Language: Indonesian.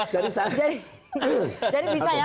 jadi saya jadi bisa ya